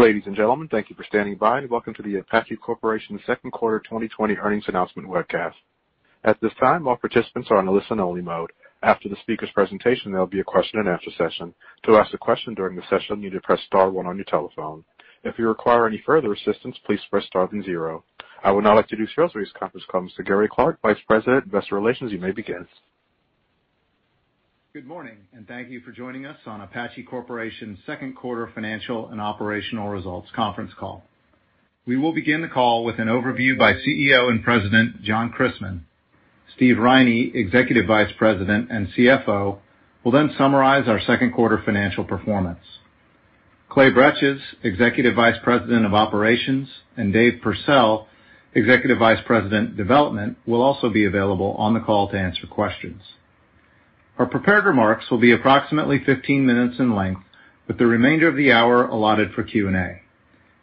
Ladies and gentlemen, thank you for standing by, and welcome to the Apache Corporation Second Quarter 2020 Earnings Announcement Webcast. At this time, all participants are on a listen only mode. After the speakers' presentation, there'll be a question and answer session. To ask a question during the session, you need to press star one on your telephone. If you require any further assistance, please press star then zero. I would now like to do this conference call, Mr. Gary Clark, Vice President, Investor Relations, you may begin. Good morning, and thank you for joining us on Apache Corporation's second quarter financial and operational results conference call. We will begin the call with an overview by CEO and President, John Christmann. Steve Riney, Executive Vice President and CFO, will summarize our second quarter financial performance. Clay Bretches, Executive Vice President of Operations, and Dave Pursell, Executive Vice President, Development, will also be available on the call to answer questions. Our prepared remarks will be approximately 15 minutes in length, with the remainder of the hour allotted for Q&A.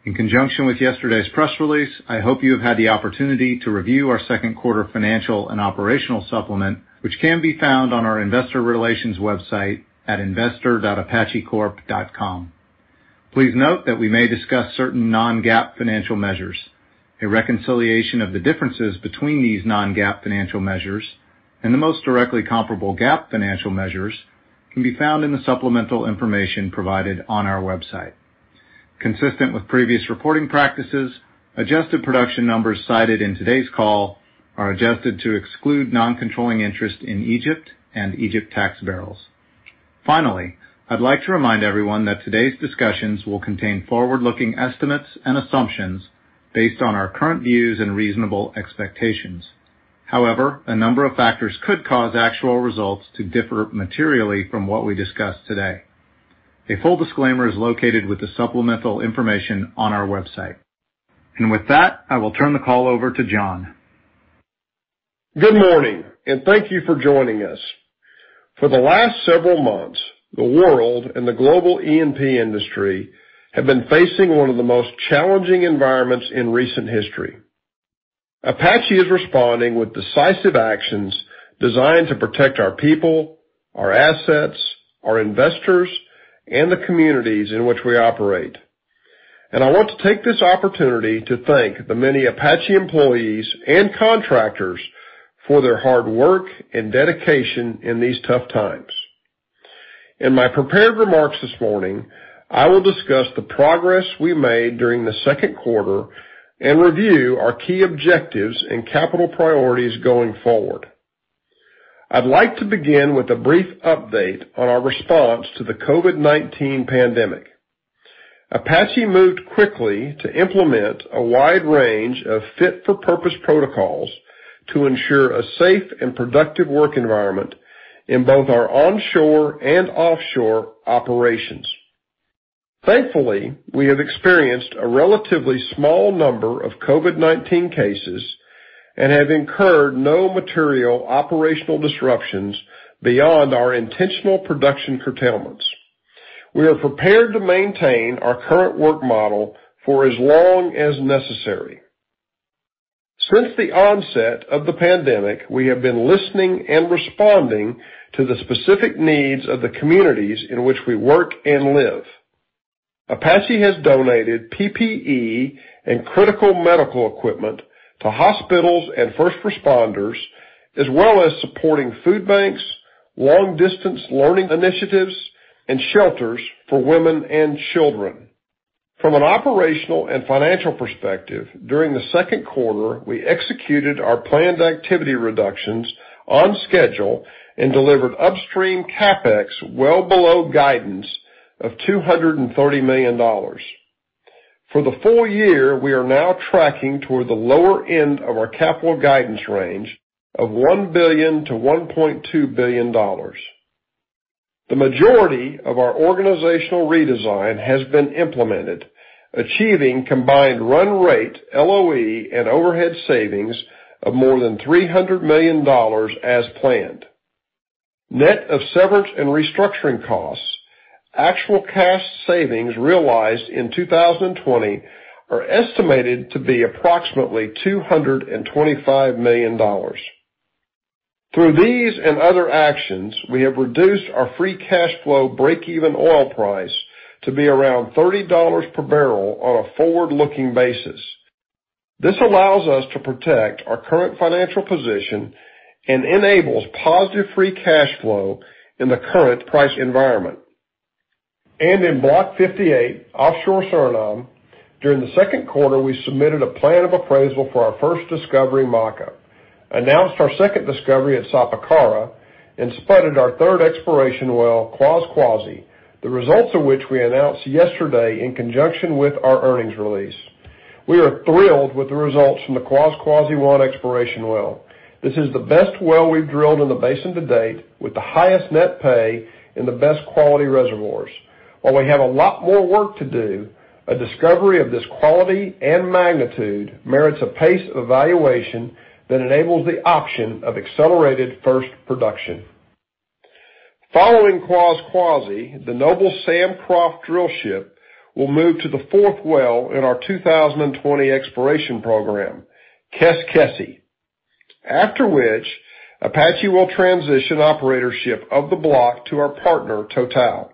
In conjunction with yesterday's press release, I hope you have had the opportunity to review our second quarter financial and operational supplement, which can be found on our Investor Relations website at investor.apachecorp.com. Please note that we may discuss certain non-GAAP financial measures. A reconciliation of the differences between these non-GAAP financial measures and the most directly comparable GAAP financial measures can be found in the supplemental information provided on our website. Consistent with previous reporting practices, adjusted production numbers cited in today's call are adjusted to exclude non-controlling interest in Egypt and Egypt tax barrels. Finally, I'd like to remind everyone that today's discussions will contain forward-looking estimates and assumptions based on our current views and reasonable expectations. However, a number of factors could cause actual results to differ materially from what we discuss today. A full disclaimer is located with the supplemental information on our website. With that, I will turn the call over to John. Good morning. Thank you for joining us. For the last several months, the world and the global E&P industry have been facing one of the most challenging environments in recent history. Apache is responding with decisive actions designed to protect our people, our assets, our investors, and the communities in which we operate. I want to take this opportunity to thank the many Apache employees and contractors for their hard work and dedication in these tough times. In my prepared remarks this morning, I will discuss the progress we made during the second quarter and review our key objectives and capital priorities going forward. I'd like to begin with a brief update on our response to the COVID-19 pandemic. Apache moved quickly to implement a wide range of fit-for-purpose protocols to ensure a safe and productive work environment in both our onshore and offshore operations. Thankfully, we have experienced a relatively small number of COVID-19 cases and have incurred no material operational disruptions beyond our intentional production curtailments. We are prepared to maintain our current work model for as long as necessary. Since the onset of the pandemic, we have been listening and responding to the specific needs of the communities in which we work and live. Apache has donated PPE and critical medical equipment to hospitals and first responders, as well as supporting food banks, long distance learning initiatives, and shelters for women and children. From an operational and financial perspective, during the second quarter, we executed our planned activity reductions on schedule and delivered upstream CapEx well below guidance of $230 million. For the full year, we are now tracking toward the lower end of our capital guidance range of $1 billion-$1.2 billion. The majority of our organizational redesign has been implemented, achieving combined run rate, LOE, and overhead savings of more than $300 million as planned. Net of severance and restructuring costs, actual cash savings realized in 2020 are estimated to be approximately $225 million. Through these and other actions, we have reduced our free cash flow breakeven oil price to be around $30 per barrel on a forward-looking basis. This allows us to protect our current financial position and enables positive free cash flow in the current price environment. In Block 58, offshore Suriname, during the second quarter, we submitted a plan of appraisal for our first discovery, Maka, announced our second discovery at Sapakara, and spudded our third exploration well, Kwaskwasi, the results of which we announced yesterday in conjunction with our earnings release. We are thrilled with the results from the Kwaskwasi-1 exploration well. This is the best well we've drilled in the basin to date with the highest net pay and the best quality reservoirs. While we have a lot more work to do, a discovery of this quality and magnitude merits a pace of evaluation that enables the option of accelerated first production. Following Kwaskwasi, the Noble Sam Croft drill ship will move to the fourth well in our 2020 exploration program, Keskesi. After which, Apache will transition operatorship of the block to our partner, Total.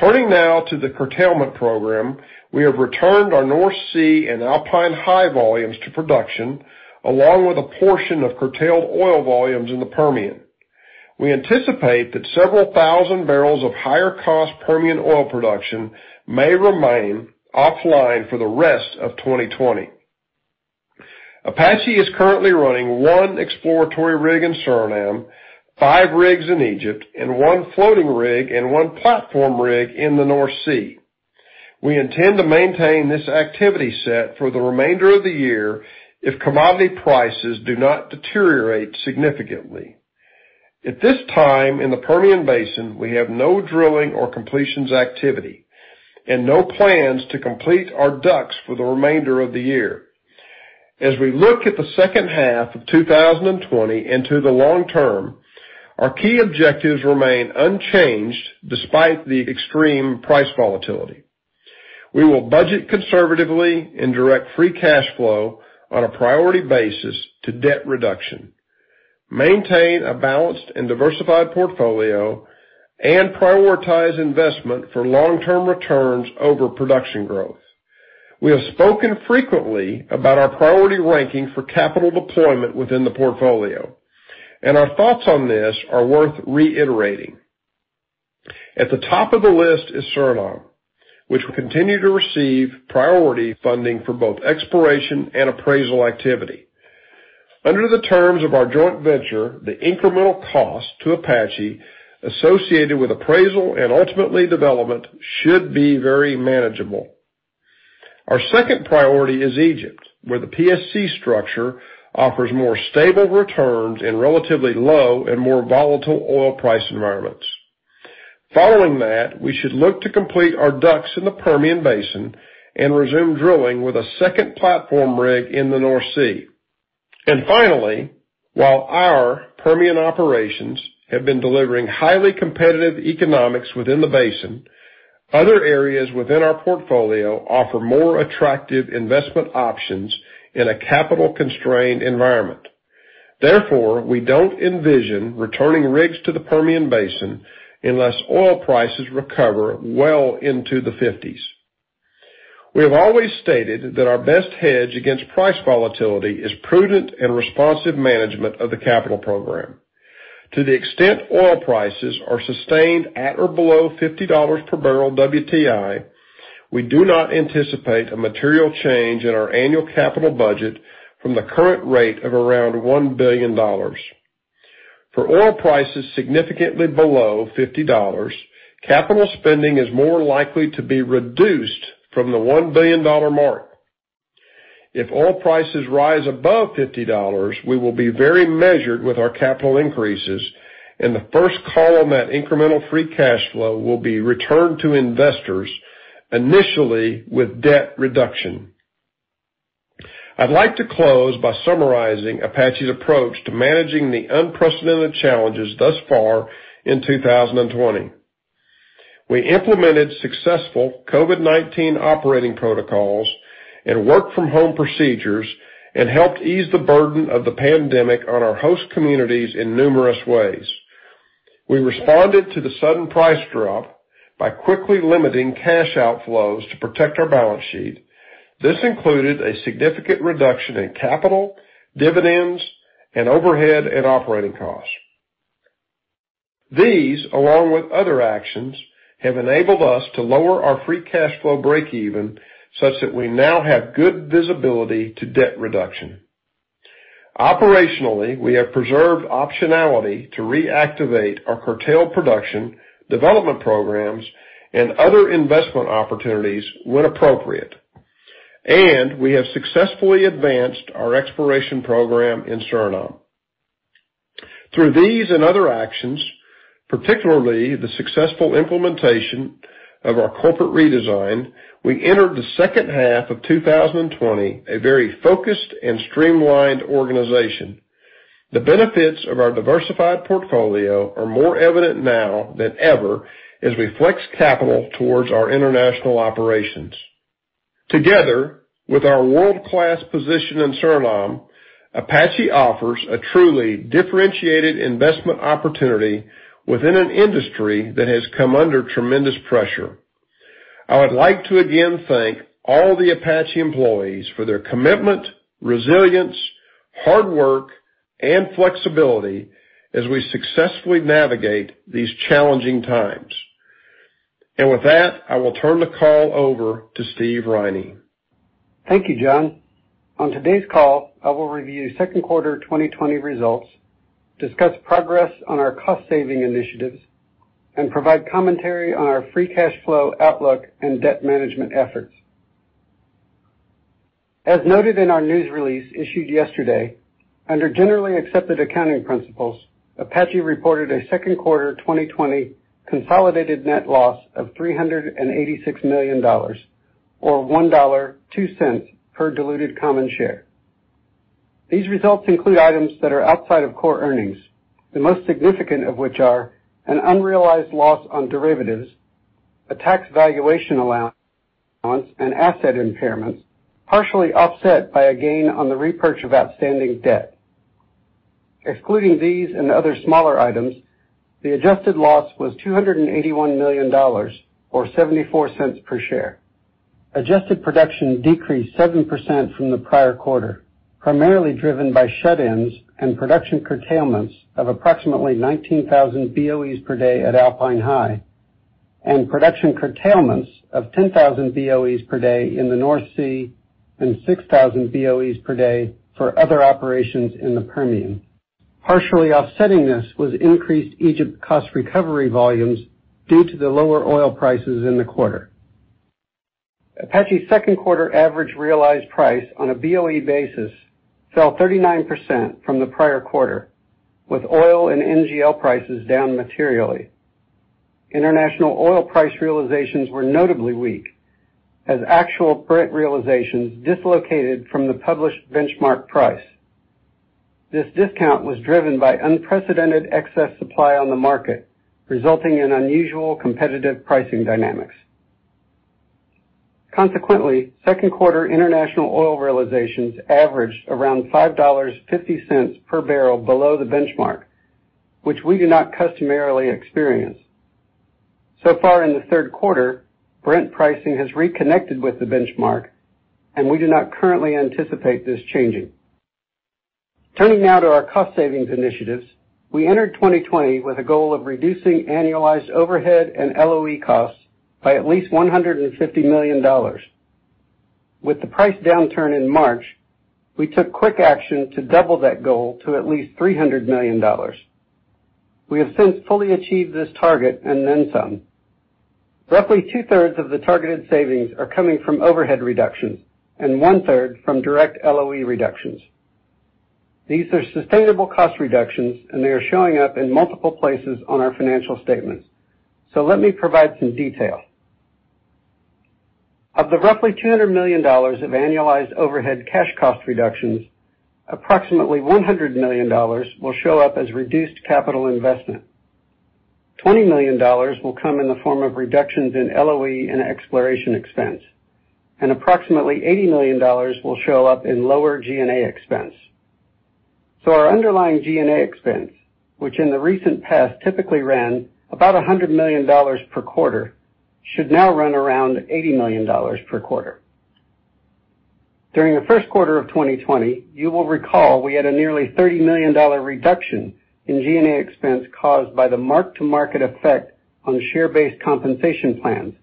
Turning now to the curtailment program, we have returned our North Sea and Alpine High volumes to production, along with a portion of curtailed oil volumes in the Permian. We anticipate that several thousand barrels of higher-cost Permian oil production may remain offline for the rest of 2020. Apache is currently running one exploratory rig in Suriname, five rigs in Egypt, and one floating rig and one platform rig in the North Sea. We intend to maintain this activity set for the remainder of the year if commodity prices do not deteriorate significantly. At this time, in the Permian Basin, we have no drilling or completions activity, and no plans to complete our DUCs for the remainder of the year. As we look at the second half of 2020 into the long term, our key objectives remain unchanged despite the extreme price volatility. We will budget conservatively and direct free cash flow on a priority basis to debt reduction, maintain a balanced and diversified portfolio, and prioritize investment for long-term returns over production growth. We have spoken frequently about our priority ranking for capital deployment within the portfolio, and our thoughts on this are worth reiterating. At the top of the list is Suriname, which will continue to receive priority funding for both exploration and appraisal activity. Under the terms of our joint venture, the incremental cost to Apache associated with appraisal and ultimately development should be very manageable. Our second priority is Egypt, where the PSC structure offers more stable returns in relatively low and more volatile oil price environments. Following that, we should look to complete our DUCs in the Permian Basin and resume drilling with a second platform rig in the North Sea. Finally, while our Permian operations have been delivering highly competitive economics within the basin, other areas within our portfolio offer more attractive investment options in a capital-constrained environment. Therefore, we don't envision returning rigs to the Permian Basin unless oil prices recover well into the 50s. We have always stated that our best hedge against price volatility is prudent and responsive management of the capital program. To the extent oil prices are sustained at or below $50 per barrel WTI, we do not anticipate a material change in our annual capital budget from the current rate of around $1 billion. For oil prices significantly below $50, capital spending is more likely to be reduced from the $1 billion mark. If oil prices rise above $50, we will be very measured with our capital increases, and the first call on that incremental free cash flow will be returned to investors initially with debt reduction. I'd like to close by summarizing Apache's approach to managing the unprecedented challenges thus far in 2020. We implemented successful COVID-19 operating protocols and work-from-home procedures and helped ease the burden of the pandemic on our host communities in numerous ways. We responded to the sudden price drop by quickly limiting cash outflows to protect our balance sheet. This included a significant reduction in capital, dividends, and overhead and operating costs. These, along with other actions, have enabled us to lower our free cash flow breakeven such that we now have good visibility to debt reduction. Operationally, we have preserved optionality to reactivate our curtailed production, development programs, and other investment opportunities when appropriate, and we have successfully advanced our exploration program in Suriname. Through these and other actions, particularly the successful implementation of our corporate redesign, we entered the second half of 2020 a very focused and streamlined organization. The benefits of our diversified portfolio are more evident now than ever as we flex capital towards our international operations. Together with our world-class position in Suriname, Apache offers a truly differentiated investment opportunity within an industry that has come under tremendous pressure. I would like to again thank all the Apache employees for their commitment, resilience, hard work, and flexibility as we successfully navigate these challenging times. With that, I will turn the call over to Steve Riney. Thank you, John. On today's call, I will review second quarter 2020 results, discuss progress on our cost-saving initiatives, and provide commentary on our free cash flow outlook and debt management efforts. As noted in our news release issued yesterday, under generally accepted accounting principles, Apache reported a second quarter 2020 consolidated net loss of $386 million, or $1.02 per diluted common share. These results include items that are outside of core earnings, the most significant of which are an unrealized loss on derivatives, a tax valuation allowance and asset impairments partially offset by a gain on the repurchase of outstanding debt. Excluding these and other smaller items, the adjusted loss was $281 million, or $0.74 per share. Adjusted production decreased 7% from the prior quarter, primarily driven by shut-ins and production curtailments of approximately 19,000 BOEs per day at Alpine High, and production curtailments of 10,000 BOEs per day in the North Sea and 6,000 BOEs per day for other operations in the Permian. Partially offsetting this was increased Egypt cost recovery volumes due to the lower oil prices in the quarter. APA's second quarter average realized price on a BOE basis fell 39% from the prior quarter, with oil and NGL prices down materially. International oil price realizations were notably weak as actual Brent realizations dislocated from the published benchmark price. This discount was driven by unprecedented excess supply on the market, resulting in unusual competitive pricing dynamics. Consequently, second quarter international oil realizations averaged around $5.50 per barrel below the benchmark, which we do not customarily experience. Far in the third quarter, Brent pricing has reconnected with the benchmark, and we do not currently anticipate this changing. Turning now to our cost savings initiatives. We entered 2020 with a goal of reducing annualized overhead and LOE costs by at least $150 million. With the price downturn in March, we took quick action to double that goal to at least $300 million. We have since fully achieved this target and then some. Roughly two-thirds of the targeted savings are coming from overhead reductions and one-third from direct LOE reductions. These are sustainable cost reductions, and they are showing up in multiple places on our financial statements. Let me provide some detail. Of the roughly $200 million of annualized overhead cash cost reductions, approximately $100 million will show up as reduced capital investment. $20 million will come in the form of reductions in LOE and exploration expense, and approximately $80 million will show up in lower G&A expense. Our underlying G&A expense, which in the recent past typically ran about $100 million per quarter, should now run around $80 million per quarter. During the first quarter of 2020, you will recall we had a nearly $30 million reduction in G&A expense caused by the mark-to-market effect on share-based compensation plans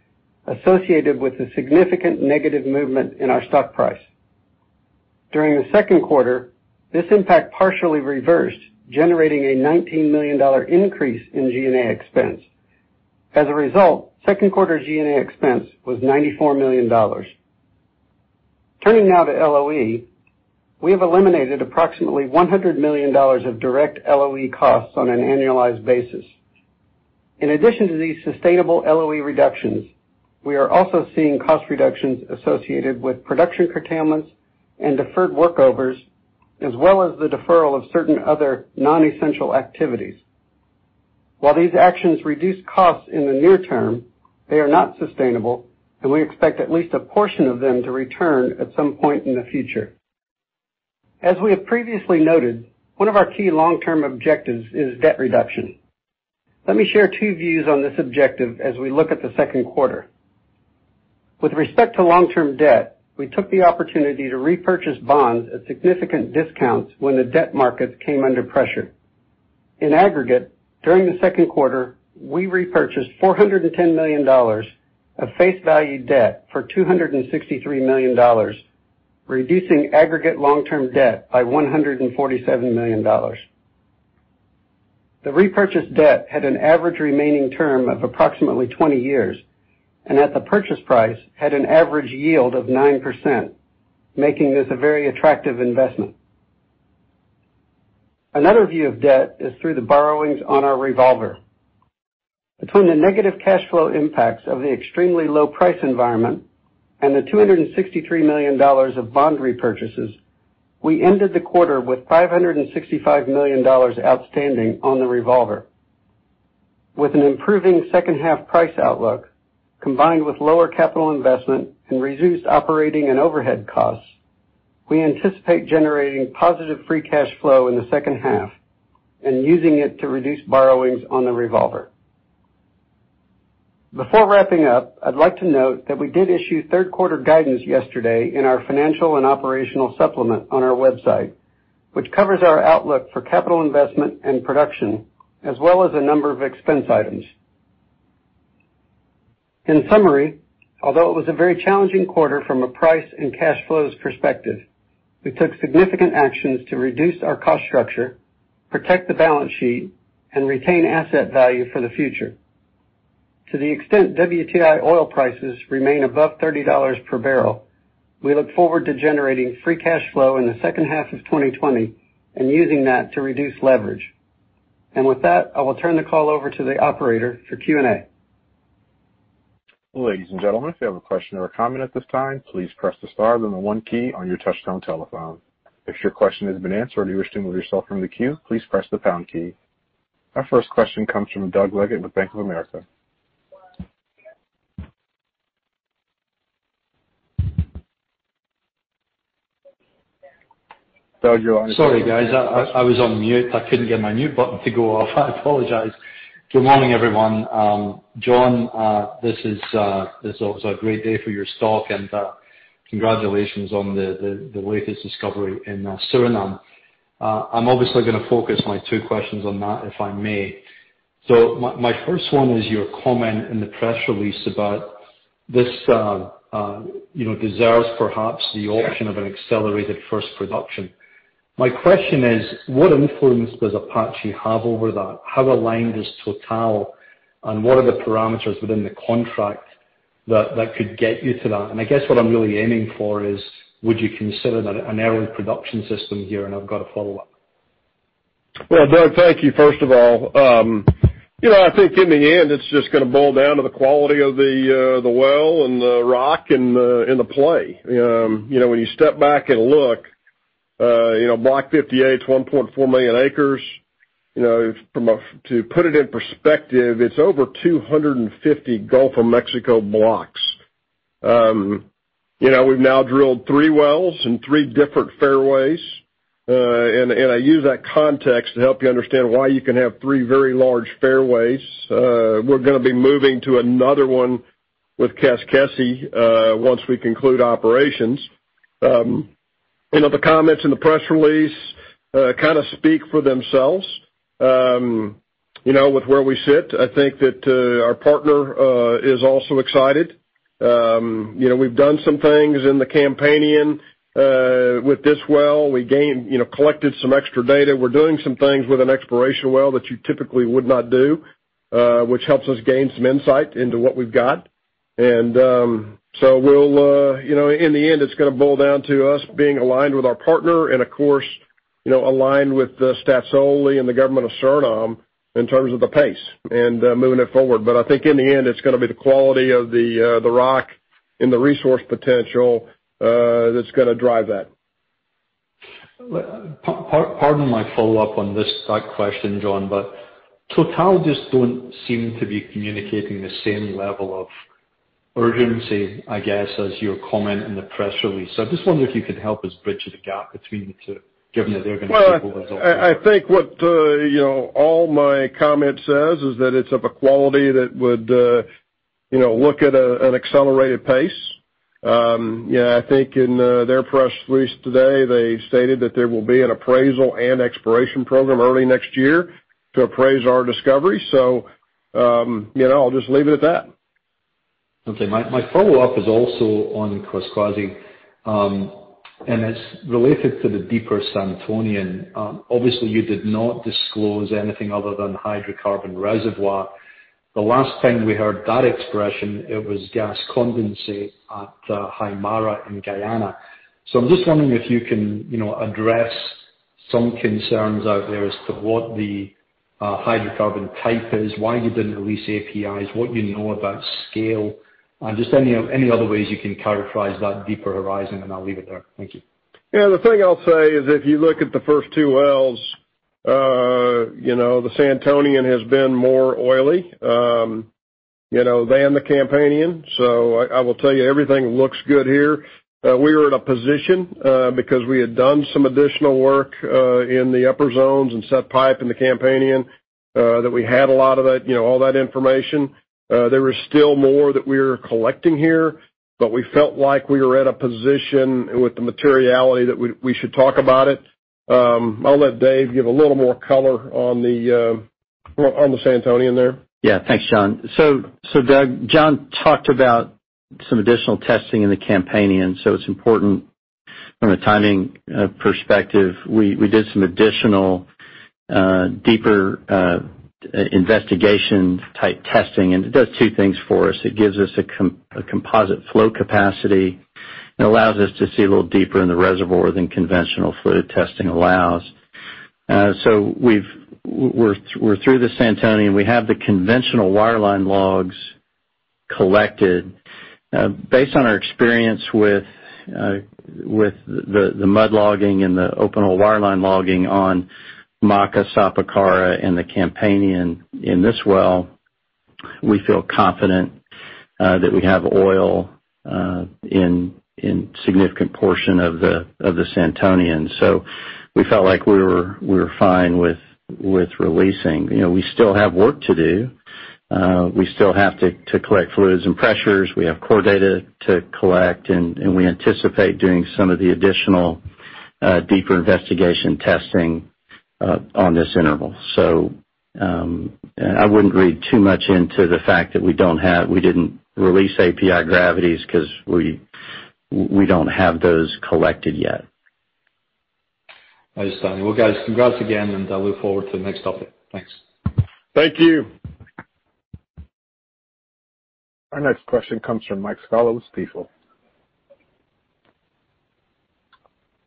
associated with the significant negative movement in our stock price. During the second quarter, this impact partially reversed, generating a $19 million increase in G&A expense. As a result, second quarter G&A expense was $94 million. Turning now to LOE. We have eliminated approximately $100 million of direct LOE costs on an annualized basis. In addition to these sustainable LOE reductions, we are also seeing cost reductions associated with production curtailments and deferred workovers, as well as the deferral of certain other non-essential activities. While these actions reduce costs in the near term, they are not sustainable, and we expect at least a portion of them to return at some point in the future. As we have previously noted, one of our key long-term objectives is debt reduction. Let me share two views on this objective as we look at the second quarter. With respect to long-term debt, we took the opportunity to repurchase bonds at significant discounts when the debt markets came under pressure. In aggregate, during the second quarter, we repurchased $410 million of face value debt for $263 million, reducing aggregate long-term debt by $147 million. The repurchased debt had an average remaining term of approximately 20 years and, at the purchase price, had an average yield of 9%, making this a very attractive investment. Another view of debt is through the borrowings on our revolver. Between the negative cash flow impacts of the extremely low price environment and the $263 million of bond repurchases, we ended the quarter with $565 million outstanding on the revolver. With an improving second half price outlook, combined with lower capital investment and reduced operating and overhead costs, we anticipate generating positive free cash flow in the second half and using it to reduce borrowings on the revolver. Before wrapping up, I'd like to note that we did issue third-quarter guidance yesterday in our financial and operational supplement on our website, which covers our outlook for capital investment and production, as well as a number of expense items. In summary, although it was a very challenging quarter from a price and cash flows perspective, we took significant actions to reduce our cost structure, protect the balance sheet, and retain asset value for the future. To the extent WTI oil prices remain above $30 per barrel, we look forward to generating free cash flow in the second half of 2020 and using that to reduce leverage. With that, I will turn the call over to the operator for Q&A. Ladies and gentlemen, if you have a question or a comment at this time, please press the star then the one key on your touchtone telephone. If your question has been answered or you wish to remove yourself from the queue, please press the pound key. Our first question comes from Doug Leggate with Bank of America. Doug, you're on. Sorry, guys. I was on mute. I couldn't get my mute button to go off. I apologize. Good morning, everyone. John, this is obviously a great day for your stock. Congratulations on the latest discovery in Suriname. I'm obviously going to focus my two questions on that, if I may. My first one is your comment in the press release about this deserves perhaps the option of an accelerated first production. My question is, what influence does Apache have over that? How aligned is Total? What are the parameters within the contract that could get you to that? I guess what I'm really aiming for is, would you consider an early production system here? I've got a follow-up. Well, Doug, thank you, first of all. I think in the end, it's just going to boil down to the quality of the well and the rock and the play. When you step back and look, Block 58 is 1.4 million acres. To put it in perspective, it's over 250 Gulf of Mexico blocks. We've now drilled three wells in three different fairways. I use that context to help you understand why you can have three very large fairways. We're going to be moving to another one with Keskesi once we conclude operations. The comments in the press release kind of speak for themselves. With where we sit, I think that our partner is also excited. We've done some things in the Campanian. With this well, we collected some extra data. We're doing some things with an exploration well that you typically would not do, which helps us gain some insight into what we've got. In the end, it's going to boil down to us being aligned with our partner and of course, aligned with Staatsolie and the government of Suriname in terms of the pace and moving it forward. I think in the end, it's going to be the quality of the rock and the resource potential that's going to drive that. Pardon my follow-up on that question, John, Total just don't seem to be communicating the same level of urgency, I guess, as your comment in the press release. I just wonder if you could help us bridge the gap between the two, given that they're going to take over. I think what all my comment says is that it's of a quality that would look at an accelerated pace. I think in their press release today, they stated that there will be an appraisal and exploration program early next year to appraise our discovery. I'll just leave it at that. Okay. My follow-up is also on Keskesi, and it's related to the deeper Santonian. Obviously, you did not disclose anything other than hydrocarbon reservoir. The last time we heard that expression, it was gas condensate at Haimara in Guyana. I'm just wondering if you can address some concerns out there as to what the hydrocarbon type is, why you didn't release APIs, what you know about scale, and just any other ways you can characterize that deeper horizon, and I'll leave it there. Thank you. Yeah, the thing I'll say is if you look at the first two wells, the Santonian has been more oily than the Campanian. I will tell you, everything looks good here. We were in a position because we had done some additional work in the upper zones and set pipe in the Campanian, that we had a lot of all that information. There is still more that we're collecting here, but we felt like we were at a position with the materiality that we should talk about it. I'll let Dave give a little more color on the Santonian there. Thanks, John. Doug, John talked about some additional testing in the Campanian, so it's important from a timing perspective. We did some additional deeper investigation type testing, and it does two things for us. It gives us a composite flow capacity and allows us to see a little deeper in the reservoir than conventional fluid testing allows. We're through the Santonian. We have the conventional wireline logs collected. Based on our experience with the mud logging and the open hole wireline logging on Maka, Sapakara, and the Campanian in this well, we feel confident that we have oil in significant portion of the Santonian. We felt like we were fine with releasing. We still have work to do. We still have to collect fluids and pressures. We have core data to collect, and we anticipate doing some of the additional deeper investigation testing on this interval. I wouldn't read too much into the fact that we didn't release API gravities because we don't have those collected yet. Understood. Well, guys, congrats again, and I look forward to the next topic. Thanks. Thank you. Our next question comes from Mike Scialla with Stifel.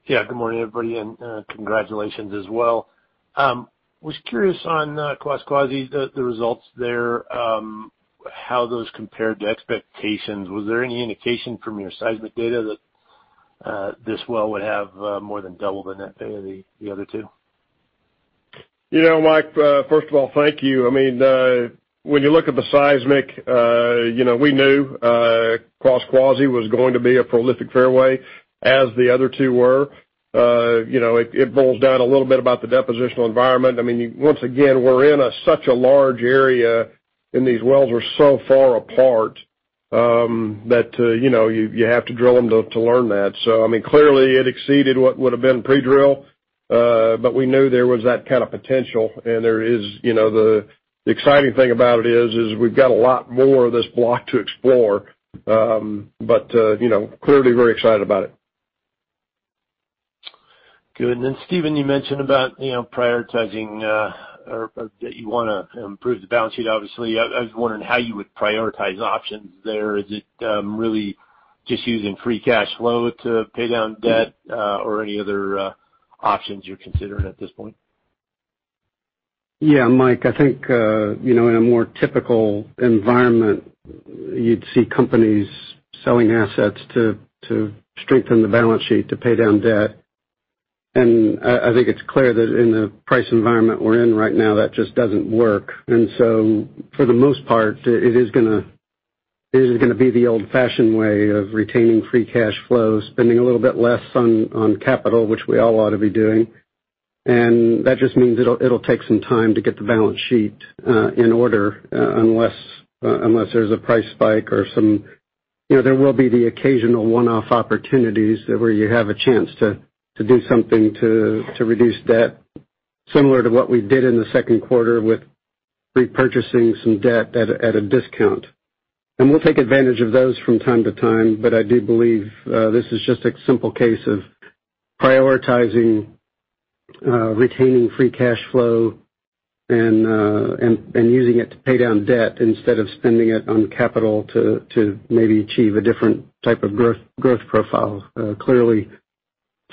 Yeah. Good morning, everybody, and congratulations as well. I was curious on Keskesi, the results there. How those compare to expectations. Was there any indication from your seismic data that this well would have more than double the net than the other two? Mike, first of all, thank you. When you look at the seismic, we knew Kwaskwasi was going to be a prolific fairway as the other two were. It boils down a little bit about the depositional environment. Once again, we're in such a large area, and these wells are so far apart, that you have to drill them to learn that. Clearly it exceeded what would've been pre-drill. We knew there was that kind of potential, and the exciting thing about it is we've got a lot more of this block to explore. We are clearly very excited about it. Good. Steve, you mentioned about prioritizing, or that you want to improve the balance sheet, obviously. I was wondering how you would prioritize options there. Is it really just using free cash flow to pay down debt? Any other options you're considering at this point? Yeah, Mike, I think, in a more typical environment, you'd see companies selling assets to strengthen the balance sheet to pay down debt. I think it's clear that in the price environment we're in right now, that just doesn't work. For the most part, it is gonna be the old-fashioned way of retaining free cash flow, spending a little bit less on capital, which we all ought to be doing. That just means it'll take some time to get the balance sheet in order, unless there's a price spike. There will be the occasional one-off opportunities where you have a chance to do something to reduce debt, similar to what we did in the second quarter with repurchasing some debt at a discount. We'll take advantage of those from time to time, but I do believe, this is just a simple case of prioritizing, retaining free cash flow and using it to pay down debt instead of spending it on capital to maybe achieve a different type of growth profile. Clearly,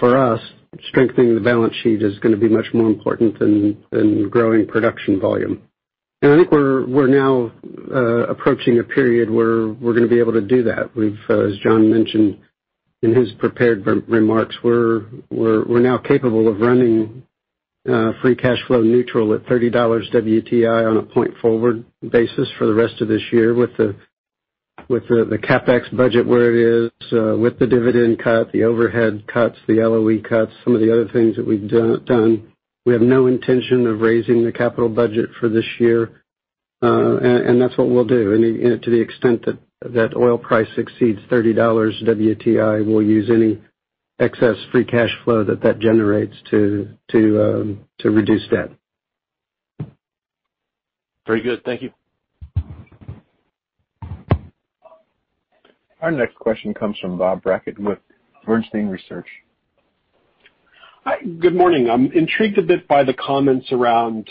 for us, strengthening the balance sheet is gonna be much more important than growing production volume. I think we're now approaching a period where we're gonna be able to do that. As John mentioned in his prepared remarks, we're now capable of running free cash flow neutral at $30 WTI on a point-forward basis for the rest of this year with the CapEx budget where it is, with the dividend cut, the overhead cuts, the LOE cuts, some of the other things that we've done. We have no intention of raising the capital budget for this year. That's what we'll do. To the extent that that oil price exceeds $30 WTI, we'll use any excess free cash flow that that generates to reduce debt. Very good. Thank you. Our next question comes from Bob Brackett with Bernstein Research. Hi. Good morning. I'm intrigued a bit by the comments around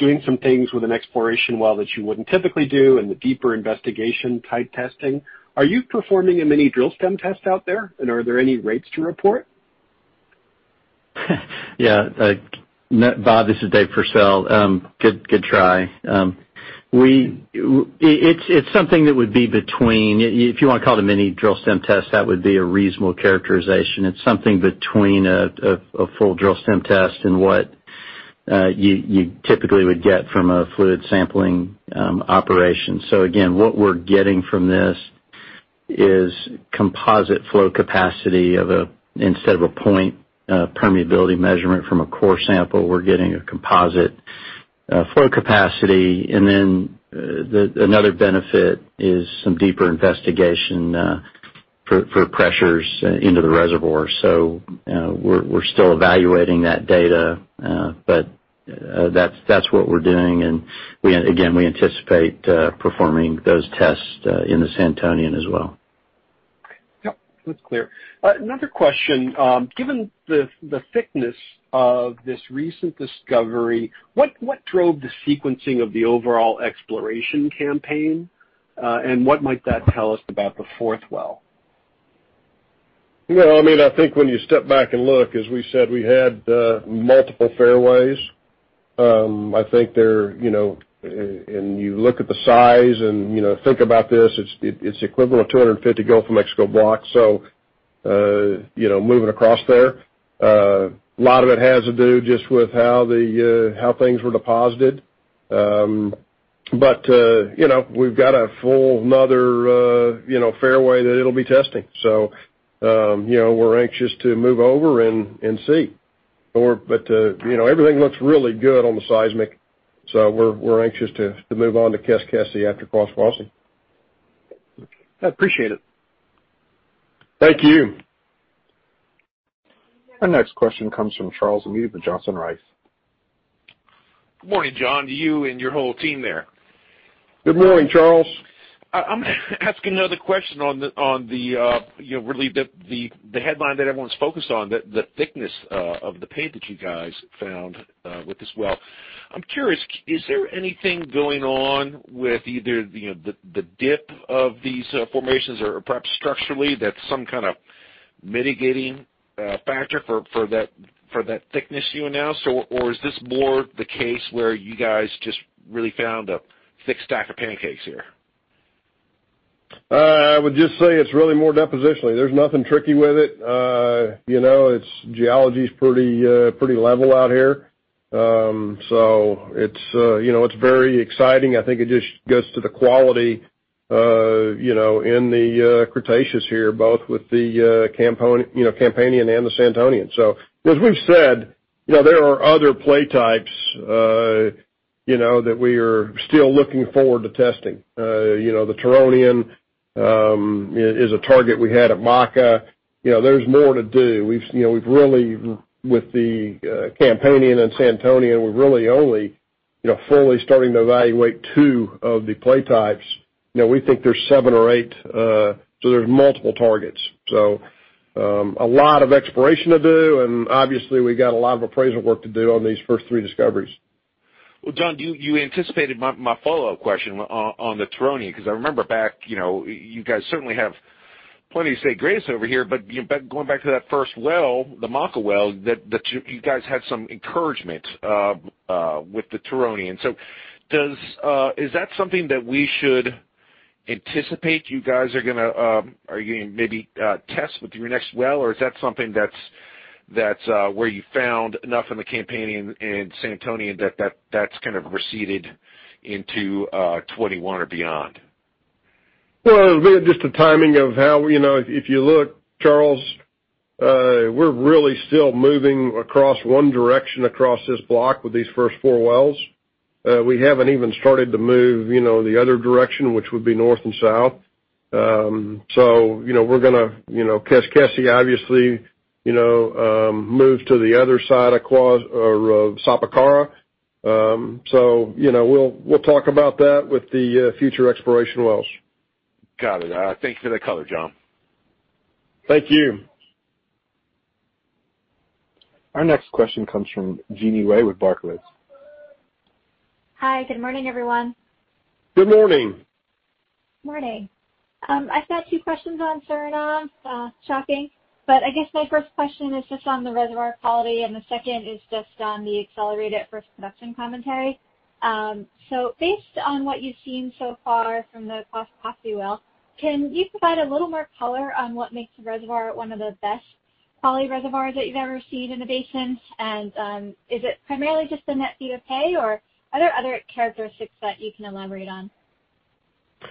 doing some things with an exploration well that you wouldn't typically do and the deeper investigation type testing. Are you performing a mini drill stem test out there, and are there any rates to report? Bob, this is Dave Pursell. Good try. It's something that would be between, if you wanna call it a mini drill stem test, that would be a reasonable characterization. It's something between a full drill stem test and what you typically would get from a fluid sampling operation. Again, what we're getting from this is composite flow capacity. Instead of a point permeability measurement from a core sample, we're getting a composite flow capacity. Another benefit is some deeper investigation for pressures into the reservoir. We're still evaluating that data. That's what we're doing, and again, we anticipate performing those tests in the Santonian as well. Yep. That's clear. Another question. Given the thickness of this recent discovery, what drove the sequencing of the overall exploration campaign? What might that tell us about the fourth well? I think when you step back and look, as we said, we had multiple fairways. You look at the size and think about this, it's equivalent of 250 Gulf of Mexico blocks, so moving across there. A lot of it has to do just with how things were deposited. We've got a full another fairway that it'll be testing. We're anxious to move over and see. Everything looks really good on the seismic, so we're anxious to move on to Keskesi after Kwaskwasi. I appreciate it. Thank you. Our next question comes from Charles Meade at Johnson Rice. Good morning, John, to you and your whole team there. Good morning, Charles. I'm asking another question on the headline that everyone's focused on, the thickness of the pay that you guys found with this well. I'm curious, is there anything going on with either the dip of these formations or perhaps structurally that's some kind of mitigating factor for that thickness you announced? Is this more the case where you guys just really found a thick stack of pancakes here? I would just say it's really more depositionally. There's nothing tricky with it. Its geology's pretty level out here. It's very exciting. I think it just goes to the quality in the Cretaceous here, both with the Campanian and the Santonian. As we've said, there are other play types that we are still looking forward to testing. The Turonian is a target we had at Maka. There's more to do. With the Campanian and Santonian, we're really only fully starting to evaluate two of the play types. We think there's seven or eight, so there's multiple targets. A lot of exploration to do, and obviously, we've got a lot of appraisal work to do on these first three discoveries. Well, John, you anticipated my follow-up question on the Turonian, because I remember back, you guys certainly have plenty to say grace over here, but going back to that first well, the Maka well, that you guys had some encouragement with the Turonian. Is that something that we should anticipate you guys are going to maybe test with your next well, or is that something that's where you found enough in the Campanian and Santonian that that's kind of receded into 2021 or beyond? Well, just the timing of how If you look, Charles, we're really still moving across one direction across this block with these first four wells. We haven't even started to move the other direction, which would be north and south. We're going to, Keskesi, obviously, move to the other side of Sapakara. We'll talk about that with the future exploration wells. Got it. Thanks for the color, John. Thank you. Our next question comes from Jeanine Wai with Barclays. Hi, good morning, everyone. Good morning. Morning. I've got two questions on Suriname, shocking. I guess my first question is just on the reservoir quality, and the second is just on the accelerated first production commentary. Based on what you've seen so far from the Keskesi well, can you provide a little more color on what makes the reservoir one of the best quality reservoirs that you've ever seen in the basin? Is it primarily just the net pay, or are there other characteristics that you can elaborate on?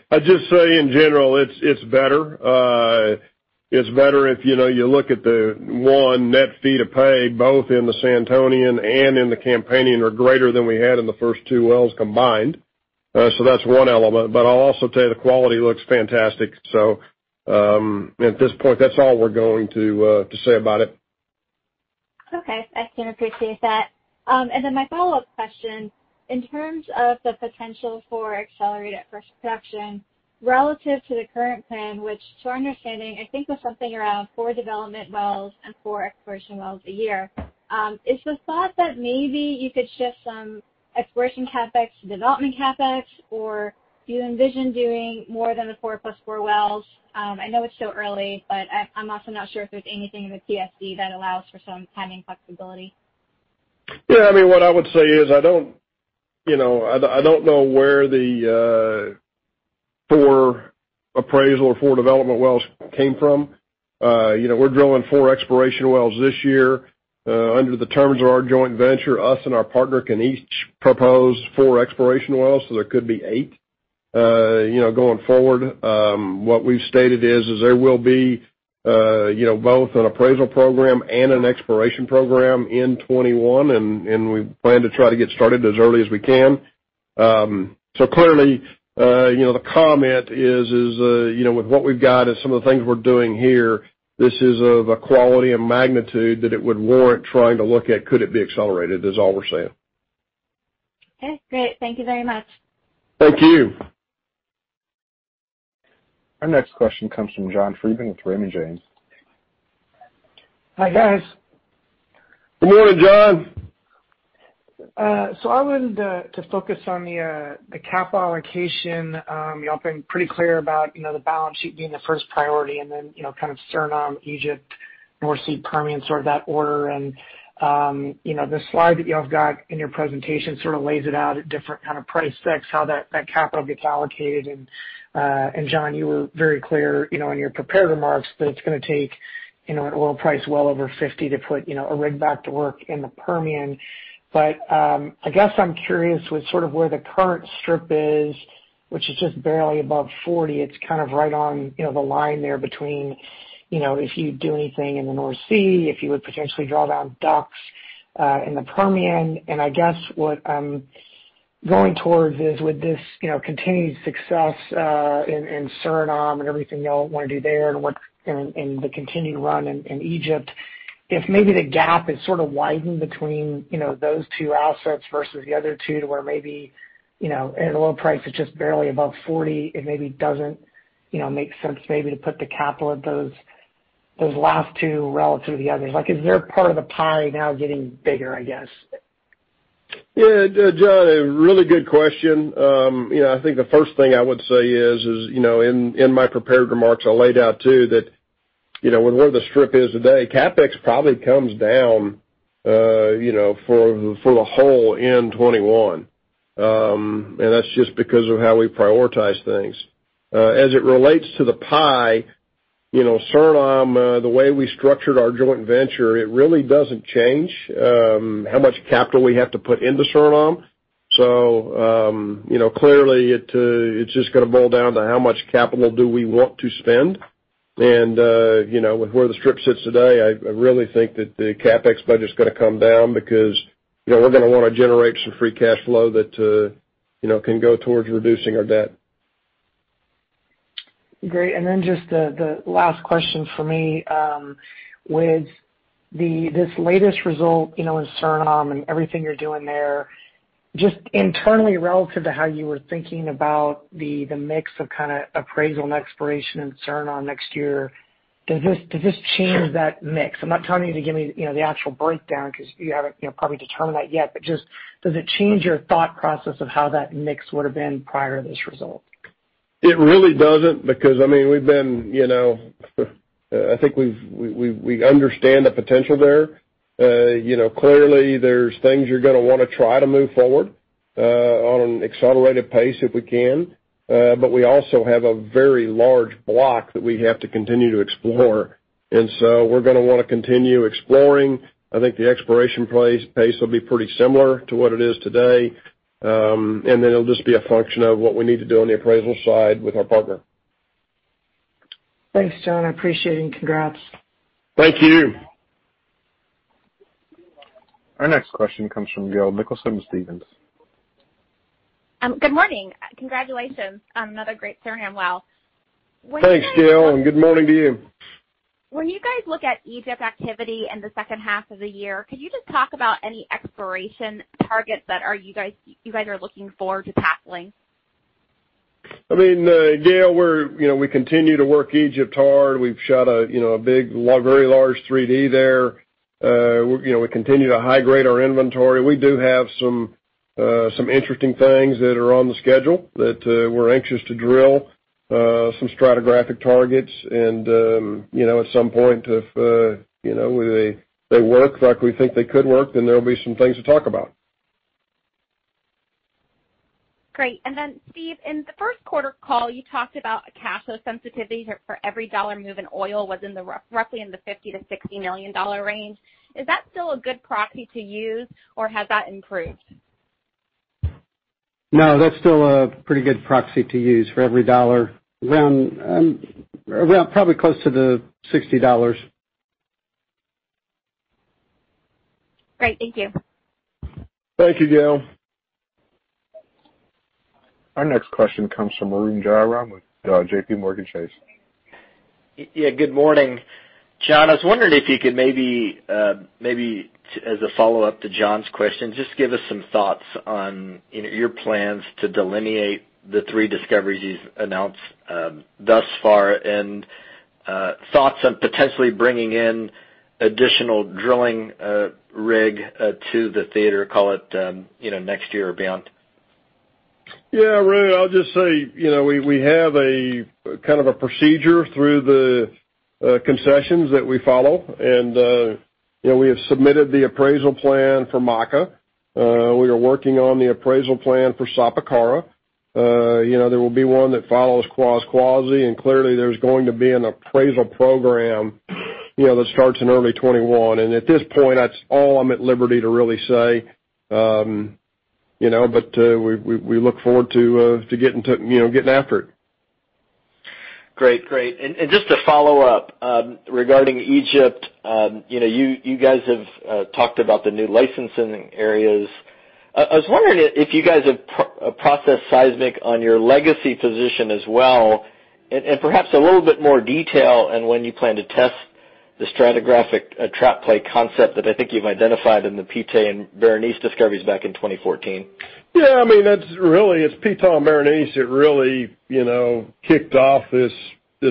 I'd just say in general, it's better. It's better if you look at the, one, net feet of pay, both in the Santonian and in the Campanian, are greater than we had in the first two wells combined. That's one element, I'll also tell you the quality looks fantastic. At this point, that's all we're going to say about it. Okay. I can appreciate that. My follow-up question, in terms of the potential for accelerated first production relative to the current plan, which to our understanding, I think was something around four development wells and four exploration wells a year. Is the thought that maybe you could shift some exploration CapEx to development CapEx, or do you envision doing more than the 4 + 4 wells? I know it's still early, but I'm also not sure if there's anything in the PSC that allows for some timing flexibility. Yeah, what I would say is I don't know where the four appraisal or four development wells came from. We're drilling four exploration wells this year. Under the terms of our joint venture, us and our partner can each propose four exploration wells. There could be eight going forward. What we've stated is there will be both an appraisal program and an exploration program in 2021. We plan to try to get started as early as we can. Clearly, the comment is with what we've got and some of the things we're doing here, this is of a quality and magnitude that it would warrant trying to look at could it be accelerated, is all we're saying. Okay, great. Thank you very much. Thank you. Our next question comes from John Freeman with Raymond James. Hi, guys. Good morning, John. I wanted to focus on the capital allocation. You all have been pretty clear about the balance sheet being the first priority and then kind of Suriname, Egypt, North Sea, Permian, sort of that order. The slide that you all have got in your presentation sort of lays it out at different kind of price specs, how that capital gets allocated in. John, you were very clear in your prepared remarks that it's going to take an oil price well over $50 to put a rig back to work in the Permian. I guess I'm curious with sort of where the current strip is, which is just barely above $40. It's kind of right on the line there between, if you do anything in the North Sea, if you would potentially draw down DUCs in the Permian. I guess what I'm going towards is with this continued success in Suriname and everything you all want to do there and the continued run in Egypt, if maybe the gap is sort of widened between those two assets versus the other two to where maybe at a low price of just barely above $40, it maybe doesn't make sense maybe to put the capital at those last two relative to the others. Is their part of the pie now getting bigger, I guess? Yeah, John, a really good question. I think the first thing I would say is, in my prepared remarks, I laid out too that with where the strip is today, CapEx probably comes down for the whole in 2021. That's just because of how we prioritize things. As it relates to the pie, Suriname, the way we structured our joint venture, it really doesn't change how much capital we have to put into Suriname. Clearly, it's just going to boil down to how much capital do we want to spend. With where the strip sits today, I really think that the CapEx budget's going to come down because we're going to want to generate some free cash flow that can go towards reducing our debt. Great. Just the last question from me. With this latest result in Suriname and everything you're doing there, just internally relative to how you were thinking about the mix of kind of appraisal and exploration in Suriname next year, does this change that mix? I'm not telling you to give me the actual breakdown because you haven't probably determined that yet, but just does it change your thought process of how that mix would've been prior to this result? It really doesn't because I think we understand the potential there. Clearly there's things you're gonna wanna try to move forward, on an accelerated pace if we can. We also have a very large block that we have to continue to explore. We're gonna wanna continue exploring. I think the exploration pace will be pretty similar to what it is today. It'll just be a function of what we need to do on the appraisal side with our partner. Thanks, John. I appreciate it, and congrats. Thank you. Our next question comes from Gail Nicholson with Stephens. Good morning. Congratulations on another great Suriname well. Thanks, Gail, and good morning to you. When you guys look at Egypt activity in the second half of the year, could you just talk about any exploration targets that you guys are looking forward to tackling? Gail, we continue to work Egypt hard. We've shot a very large 3D there. We continue to high-grade our inventory. We do have some interesting things that are on the schedule that we're anxious to drill, some stratigraphic targets. At some point, if they work like we think they could work, then there'll be some things to talk about. Great. Steve, in the first quarter call, you talked about a cash flow sensitivity for every $1 move in oil was roughly in the $50 million-$60 million range. Is that still a good proxy to use, or has that improved? No, that's still a pretty good proxy to use for every dollar, around probably close to the $60. Great. Thank you. Thank you, Gail. Our next question comes from Arun Jayaram with JPMorgan Chase. Yeah. Good morning. John, I was wondering if you could maybe as a follow-up to John's question, just give us some thoughts on your plans to delineate the three discoveries you've announced thus far, and thoughts on potentially bringing in additional drilling rig to the theater, call it next year or beyond? Yeah, Arun, I'll just say we have a kind of a procedure through the concessions that we follow, and we have submitted the appraisal plan for Maka. We are working on the appraisal plan for Sapakara. There will be one that follows Kwaskwasi, and clearly there's going to be an appraisal program that starts in early 2021. At this point, that's all I'm at liberty to really say. We look forward to getting after it. Great. Just to follow up, regarding Egypt, you guys have talked about the new licensing areas. I was wondering if you guys have processed seismic on your legacy position as well, and perhaps a little bit more detail on when you plan to test the stratigraphic trap play concept that I think you've identified in the Ptah and Berenice discoveries back in 2014. Yeah. It's really, it's Ptah and Berenice that really kicked off this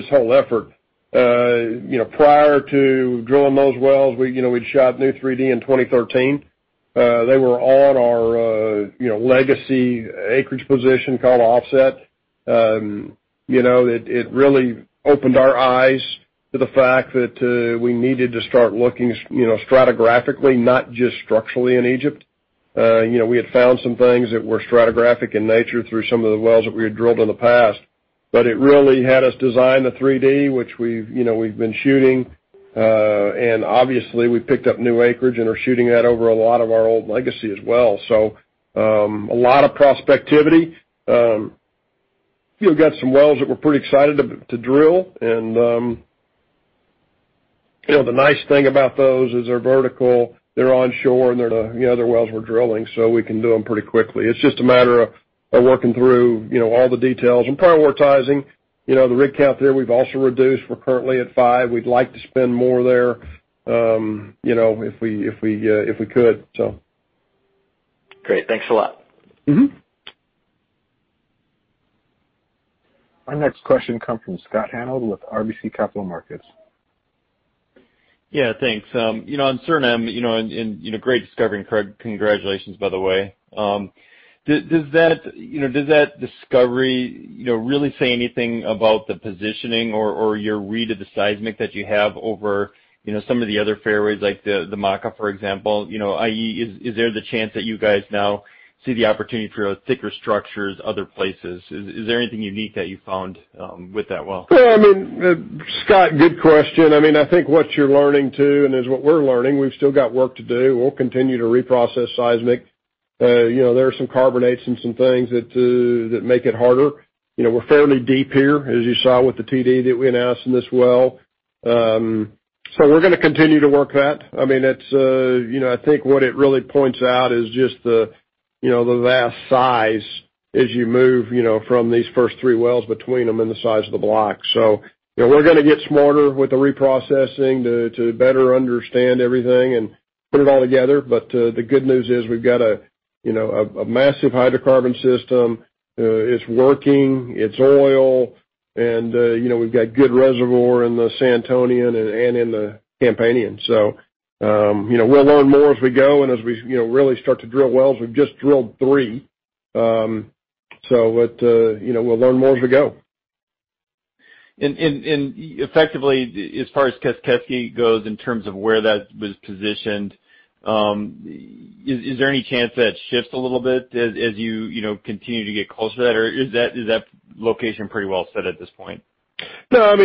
whole effort. Prior to drilling those wells, we'd shot new 3D in 2013. They were on our legacy acreage position called Offset. It really opened our eyes to the fact that we needed to start looking stratigraphically, not just structurally in Egypt. We had found some things that were stratigraphic in nature through some of the wells that we had drilled in the past. It really had us design the 3D, which we've been shooting. Obviously we've picked up new acreage and are shooting that over a lot of our old legacy as well. A lot of prospectivity. We've got some wells that we're pretty excited to drill, and the nice thing about those is they're vertical, they're onshore, and they're the wells we're drilling, so we can do them pretty quickly. It's just a matter of working through all the details and prioritizing. The rig count there we've also reduced. We're currently at five. We'd like to spend more there if we could. Great. Thanks a lot. Our next question comes from Scott Hanold with RBC Capital Markets. Yeah, thanks. On Suriname, great discovery, and congratulations, by the way. Does that discovery really say anything about the positioning or your read of the seismic that you have over some of the other fairways, like the Maka, for example, i.e., is there the chance that you guys now see the opportunity for thicker structures other places? Is there anything unique that you found with that well? Well, Scott, good question. I think what you're learning, too, and is what we're learning, we've still got work to do. We'll continue to reprocess seismic. There are some carbonates and some things that make it harder. We're fairly deep here, as you saw with the TD that we announced in this well. We're going to continue to work that. I think what it really points out is just the vast size as you move from these first three wells between them and the size of the block. We're going to get smarter with the reprocessing to better understand everything and put it all together. The good news is we've got a massive hydrocarbon system. It's working, it's oil, and we've got good reservoir in the Santonian and in the Campanian. We'll learn more as we go and as we really start to drill wells. We've just drilled three. We'll learn more as we go. Effectively, as far as Keskesi goes, in terms of where that was positioned, is there any chance that shifts a little bit as you continue to get closer to that? Or is that location pretty well set at this point? No, as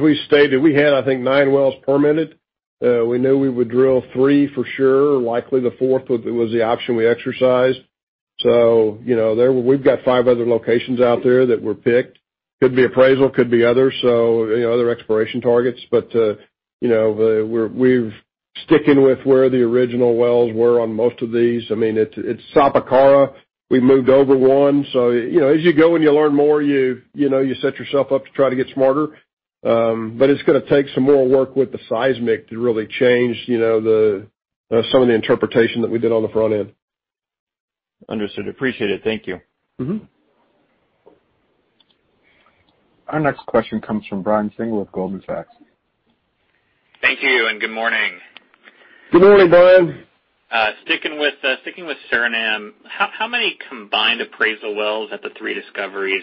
we stated, we had, I think, nine wells permitted. We knew we would drill three for sure. Likely the fourth was the option we exercised. We've got five other locations out there that were picked. Could be appraisal, could be other exploration targets. We're sticking with where the original wells were on most of these. It's Sapakara, we moved over one. As you go and you learn more, you set yourself up to try to get smarter. It's going to take some more work with the seismic to really change some of the interpretation that we did on the front end. Understood. Appreciate it. Thank you. Our next question comes from Brian Singer with Goldman Sachs. Thank you, and good morning. Good morning, Brian. Sticking with Suriname, how many combined appraisal wells at the three discoveries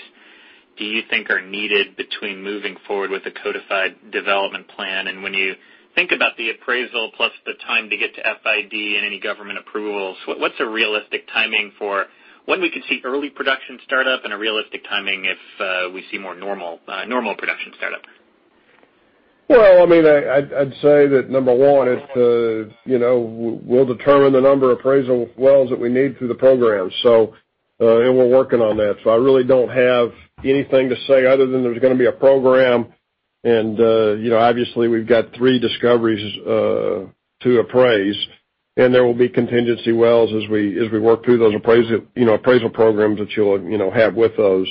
do you think are needed between moving forward with a codified development plan? When you think about the appraisal plus the time to get to FID and any government approvals, what's a realistic timing for when we could see early production startup and a realistic timing if we see more normal production startup? Well, I'd say that number one is we'll determine the number of appraisal wells that we need through the program. We're working on that. I really don't have anything to say other than there's going to be a program, and obviously we've got three discoveries to appraise. There will be contingency wells as we work through those appraisal programs that you'll have with those.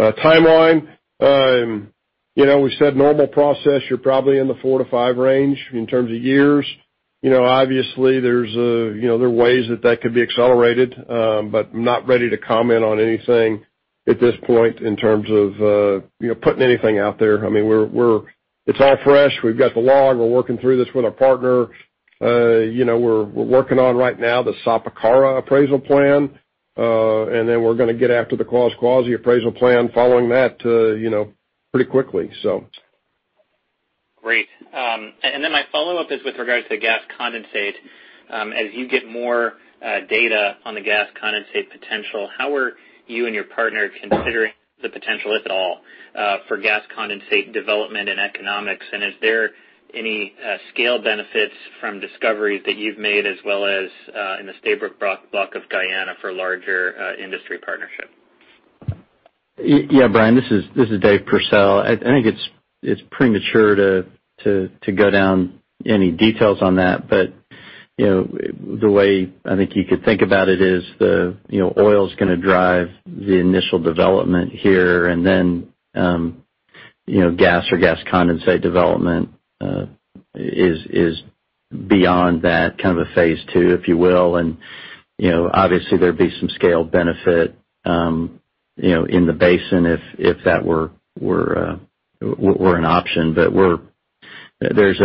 Timeline, we said normal process, you're probably in the four to five range in terms of years. Obviously, there are ways that that could be accelerated. I'm not ready to comment on anything at this point in terms of putting anything out there. It's all fresh. We've got the log. We're working through this with our partner. We're working on right now the Sapakara appraisal plan. We're going to get after the Kwaskwasi appraisal plan following that pretty quickly. Great. My follow-up is with regards to gas condensate. As you get more data on the gas condensate potential, how are you and your partner considering the potential, if at all, for gas condensate development and economics? Is there any scale benefits from discoveries that you've made as well as in the Stabroek Block of Guyana for larger industry partnership? Yeah, Brian, this is Dave Pursell. I think it's premature to go down any details on that. The way I think you could think about it is the oil's going to drive the initial development here, and then gas or gas condensate development is beyond that, kind of a phase two, if you will. Obviously there'd be some scale benefit in the basin if that were an option. There's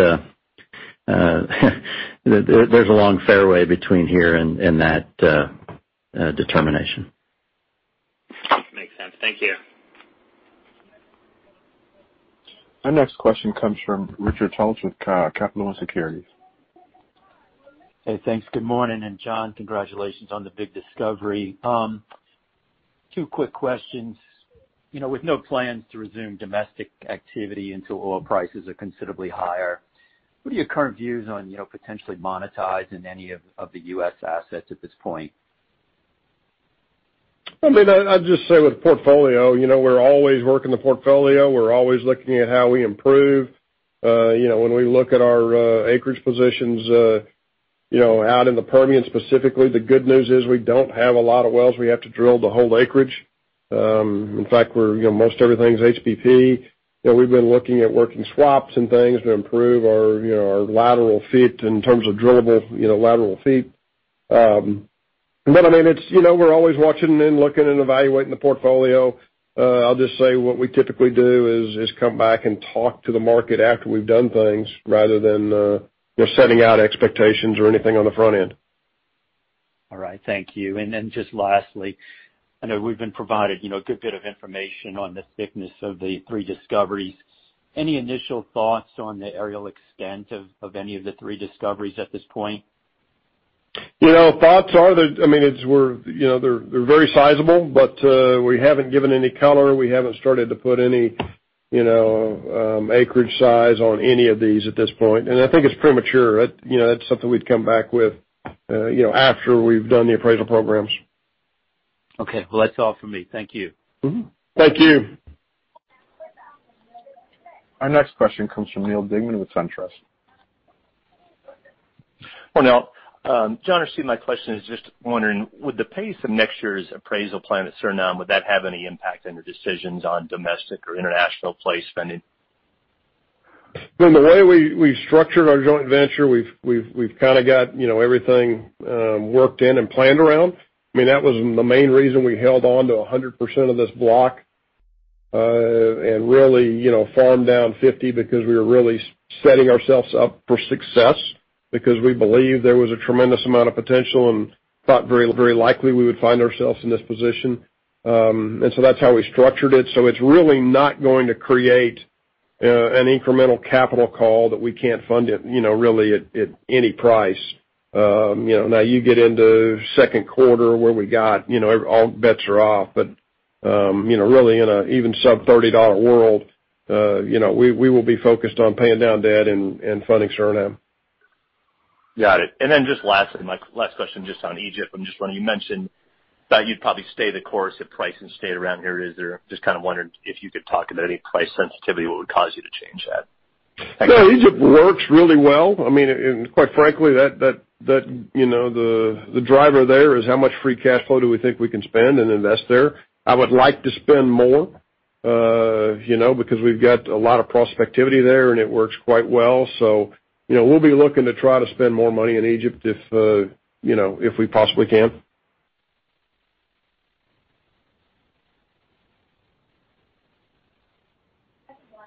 a long fairway between here and that determination. Makes sense. Thank you. Our next question comes from Richard Tullis with Capital One Securities. Hey, thanks. Good morning. John, congratulations on the big discovery. Two quick questions. With no plans to resume domestic activity until oil prices are considerably higher, what are your current views on potentially monetizing any of the U.S. assets at this point? I'd just say with portfolio, we're always working the portfolio. We're always looking at how we improve. When we look at our acreage positions out in the Permian, specifically, the good news is we don't have a lot of wells we have to drill to hold acreage. In fact, most everything's HBP. We've been looking at working swaps and things to improve our lateral feet in terms of drillable lateral feet. We're always watching and looking and evaluating the portfolio. I'll just say what we typically do is come back and talk to the market after we've done things rather than setting out expectations or anything on the front end. All right, thank you. Just lastly, I know we've been provided a good bit of information on the thickness of the three discoveries. Any initial thoughts on the areal extent of any of the three discoveries at this point? Thoughts are that they're very sizable. We haven't given any color. We haven't started to put any acreage size on any of these at this point. I think it's premature. That's something we'd come back with after we've done the appraisal programs. Okay. Well, that's all for me. Thank you. Mm-hmm. Thank you. Our next question comes from Neal Dingmann with SunTrust. Well, now, John, I see my question is just wondering, with the pace of next year's appraisal plan at Suriname, would that have any impact on your decisions on domestic or international play spending? The way we structured our joint venture, we've got everything worked in and planned around. That was the main reason we held on to 100% of this block, and really farmed down 50 because we were really setting ourselves up for success because we believed there was a tremendous amount of potential and thought very likely we would find ourselves in this position. That's how we structured it. It's really not going to create an incremental capital call that we can't fund it, really at any price. Now you get into second quarter where we got all bets are off, but really in an even sub-$30 world, we will be focused on paying down debt and funding Suriname. Got it. Last question just on Egypt. I'm just wondering, you mentioned that you'd probably stay the course if pricing stayed around here. Just kind of wondering if you could talk about any price sensitivity, what would cause you to change that? No, Egypt works really well. Quite frankly, the driver there is how much free cash flow do we think we can spend and invest there? I would like to spend more, because we've got a lot of prospectivity there, and it works quite well. We'll be looking to try to spend more money in Egypt if we possibly can.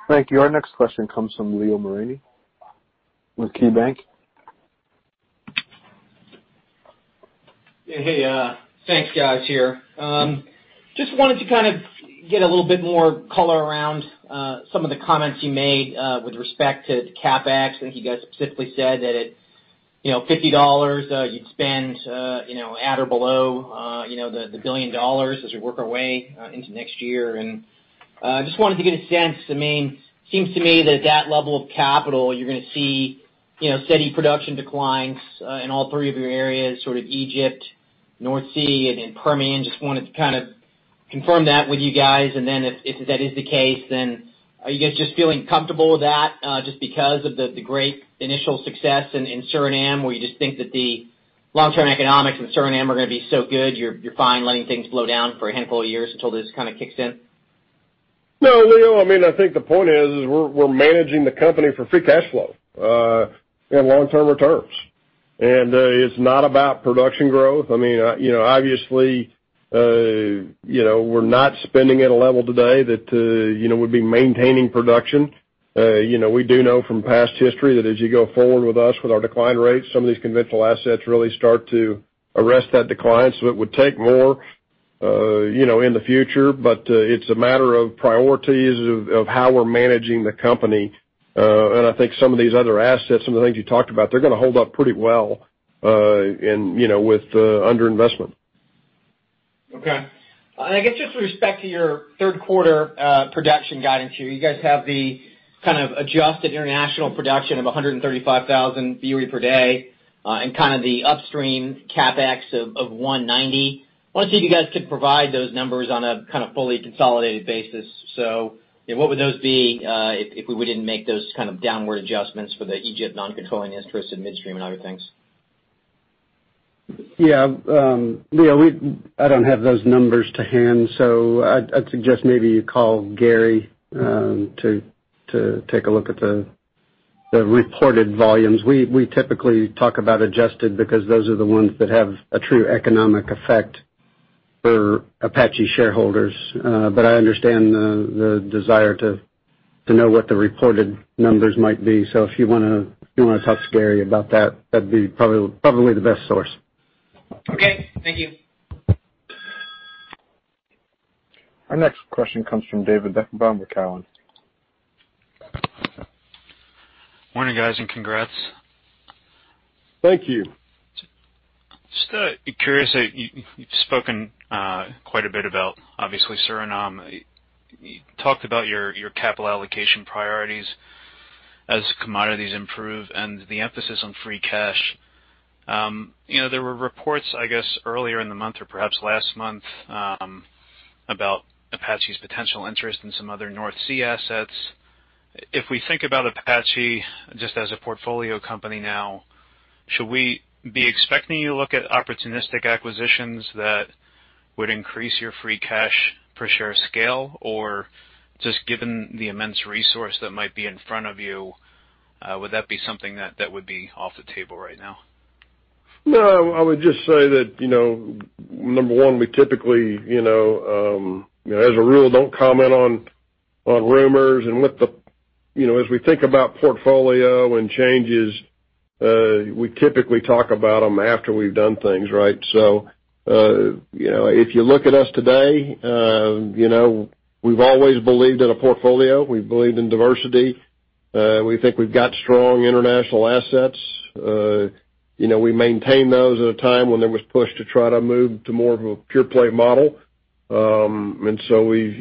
Thank you. Our next question comes from Leo Mariani with KeyBanc. Hey, thanks guys here. Just wanted to get a little bit more color around some of the comments you made with respect to CapEx. I think you guys specifically said that at $50 you'd spend at or below $1 billion as we work our way into next year. Just wanted to get a sense, it seems to me that at that level of capital, you're going to see steady production declines in all three of your areas, Egypt, North Sea, and in Permian. Just wanted to confirm that with you guys. If that is the case, then are you guys just feeling comfortable with that just because of the great initial success in Suriname, where you just think that the long-term economics in Suriname are going to be so good, you're fine letting things slow down for a handful of years until this kind of kicks in? No, Leo, I think the point is we're managing the company for free cash flow, and long-term returns. It's not about production growth. Obviously, we're not spending at a level today that would be maintaining production. We do know from past history that as you go forward with us, with our decline rates, some of these conventional assets really start to arrest that decline. It would take more in the future. It's a matter of priorities, of how we're managing the company. I think some of these other assets, some of the things you talked about, they're going to hold up pretty well with under-investment. Okay. I guess just with respect to your third quarter production guidance here. You guys have the kind of adjusted international production of 135,000 BOE per day, and the upstream CapEx of $190. I wanted to see if you guys could provide those numbers on a fully consolidated basis. What would those be if we didn't make those downward adjustments for the Egypt non-controlling interest in midstream and other things? Yeah. Leo, I don't have those numbers to hand, so I'd suggest maybe you call Gary to take a look at the reported volumes. We typically talk about adjusted because those are the ones that have a true economic effect for Apache shareholders. I understand the desire to know what the reported numbers might be. If you want to talk to Gary about that'd be probably the best source. Okay. Thank you. Our next question comes from David Deckelbaum with Cowen. Morning, guys, and congrats. Thank you. Just curious that you've spoken quite a bit about, obviously, Suriname. You talked about your capital allocation priorities as commodities improve and the emphasis on free cash. There were reports, I guess, earlier in the month or perhaps last month, about Apache's potential interest in some other North Sea assets. If we think about Apache just as a portfolio company now, should we be expecting you to look at opportunistic acquisitions that Would increase your free cash per share scale, or just given the immense resource that might be in front of you, would that be something that would be off the table right now? No, I would just say that, number one, we typically, as a rule, don't comment on rumors. As we think about portfolio and changes, we typically talk about them after we've done things, right? If you look at us today, we've always believed in a portfolio. We've believed in diversity. We think we've got strong international assets. We maintained those at a time when there was push to try to move to more of a pure-play model. We've always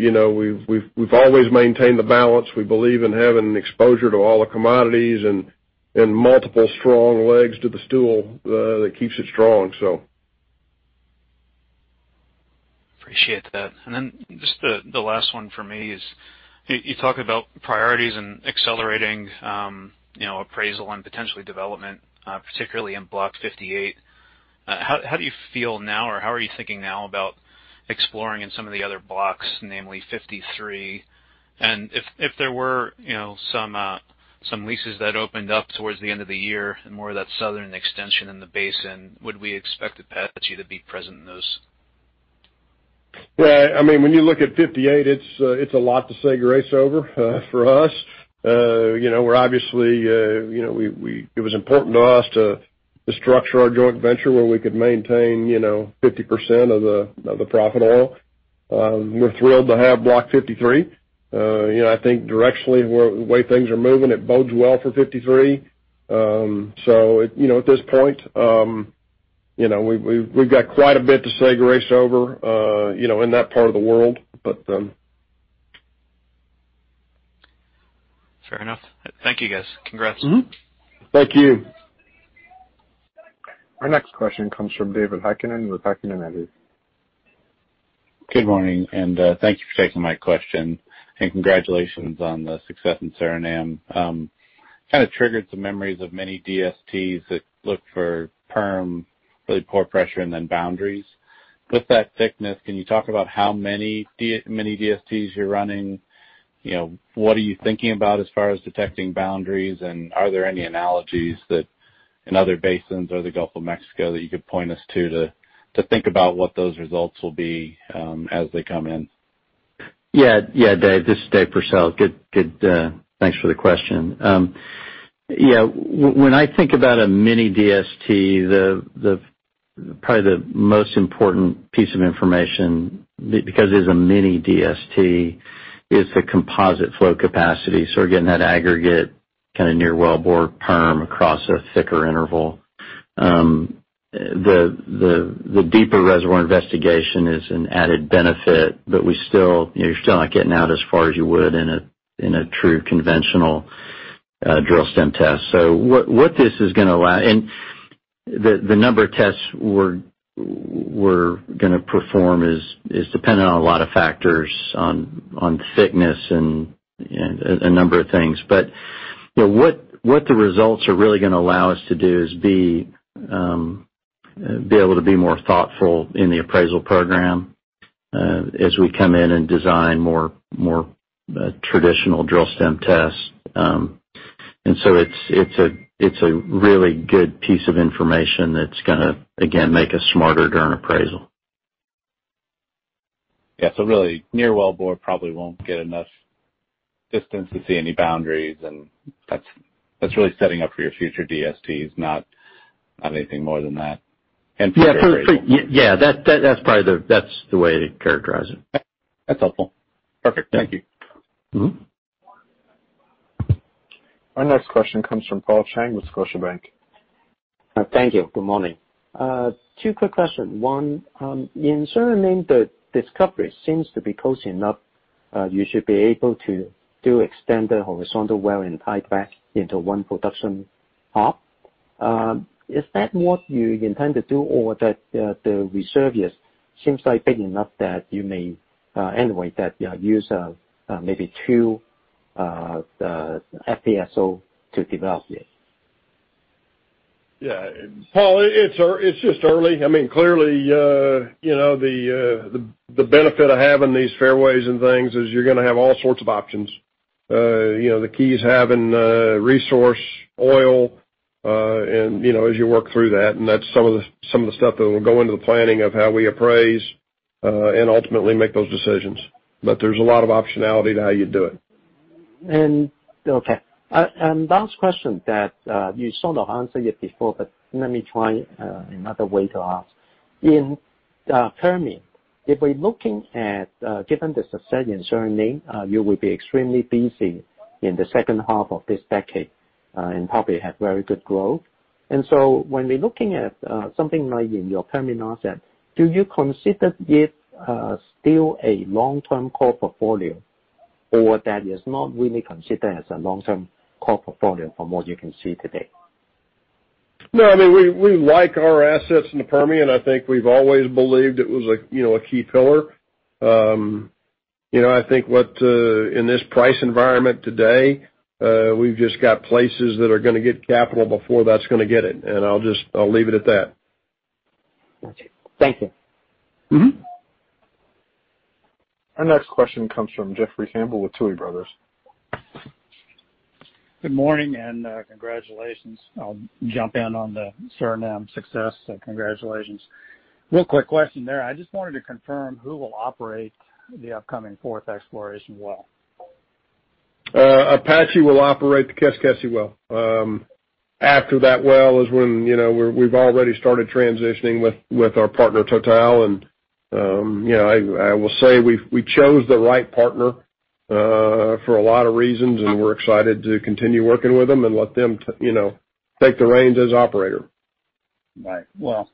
maintained the balance. We believe in having exposure to all the commodities and multiple strong legs to the stool that keeps it strong. Appreciate that. Just the last one from me is, you talk about priorities and accelerating appraisal and potentially development, particularly in Block 58. How do you feel now, or how are you thinking now about exploring in some of the other blocks, namely 53? If there were some leases that opened up towards the end of the year and more of that southern extension in the basin, would we expect Apache to be present in those? When you look at 58, it's a lot to say grace over for us. Obviously, it was important to us to structure our joint venture where we could maintain 50% of the profit oil. We're thrilled to have Block 53. I think directionally, the way things are moving, it bodes well for 53. At this point, we've got quite a bit to say grace over in that part of the world. Fair enough. Thank you, guys. Congrats. Thank you. Our next question comes from David Heikkinen with Heikkinen Energy. Good morning, and thank you for taking my question, and congratulations on the success in Suriname. Kind of triggered some memories of many DSTs that looked for perm, really poor pressure, and then boundaries. With that thickness, can you talk about how many DSTs you're running? What are you thinking about as far as detecting boundaries, and are there any analogies that in other basins or the Gulf of Mexico that you could point us to to think about what those results will be as they come in? Dave, this is Dave Pursell. Good. Thanks for the question. When I think about a mini DST, probably the most important piece of information, because it is a mini DST, is the composite flow capacity. We're getting that aggregate near wellbore perm across a thicker interval. The deeper reservoir investigation is an added benefit, but you're still not getting out as far as you would in a true conventional drill stem test. The number of tests we're going to perform is dependent on a lot of factors on thickness and a number of things. What the results are really going to allow us to do is be able to be more thoughtful in the appraisal program as we come in and design more traditional drill stem tests. It's a really good piece of information that's going to, again, make us smarter during appraisal. Yeah. Really near wellbore probably won't get enough distance to see any boundaries, and that's really setting up for your future DSTs, not anything more than that. Future appraisal. Yeah. That's the way to characterize it. That's helpful. Perfect. Thank you. Our next question comes from Paul Cheng with Scotiabank. Thank you. Good morning. Two quick questions. One, in Suriname, the discovery seems to be close enough. You should be able to do extended horizontal well and tieback into one production hub. Is that what you intend to do, or that the reserve seems big enough that you may anyway use maybe two FPSO to develop this? Yeah. Paul, it's just early. Clearly, the benefit of having these fairways and things is you're going to have all sorts of options. The key is having resource oil as you work through that, and that's some of the stuff that will go into the planning of how we appraise, and ultimately make those decisions. There's a lot of optionality to how you do it. Okay. Last question that you sort of answered it before, but let me try another way to ask. In Permian, if we're looking at, given the success in Suriname, you will be extremely busy in the second half of this decade and probably have very good growth. When we're looking at something like in your Permian asset, do you consider it still a long-term core portfolio, or that is not really considered as a long-term core portfolio from what you can see today? No. We like our assets in the Permian. I think we've always believed it was a key pillar. I think in this price environment today, we've just got places that are going to get capital before that's going to get it. I'll leave it at that. Got you. Thank you. Our next question comes from Jeffrey Campbell with Tuohy Brothers. Good morning, and congratulations. I'll jump in on the Suriname success, so congratulations. Real quick question there. I just wanted to confirm who will operate the upcoming fourth exploration well? Apache will operate the Keskesi-1 well. After that well is when we've already started transitioning with our partner, Total. I will say, we chose the right partner for a lot of reasons, and we're excited to continue working with them and let them take the reins as operator. Right. Well,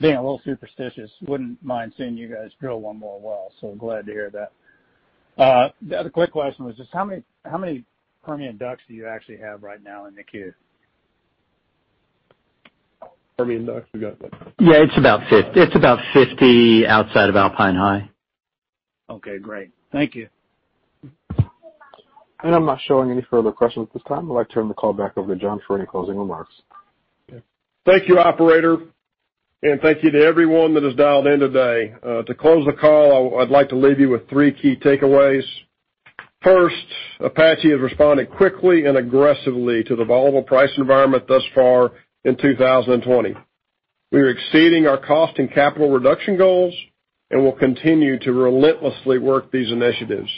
being a little superstitious, wouldn't mind seeing you guys drill one more well, so glad to hear that. The other quick question was just how many Permian DUCs do you actually have right now in the queue? Permian DUCs we got like. Yeah, it's about 50 outside of Alpine High. Okay, great. Thank you. I'm not showing any further questions at this time. I'd like to turn the call back over to John for any closing remarks. Thank you, operator, and thank you to everyone that has dialed in today. To close the call, I'd like to leave you with three key takeaways. First, Apache has responded quickly and aggressively to the volatile price environment thus far in 2020. We are exceeding our cost and capital reduction goals and will continue to relentlessly work these initiatives.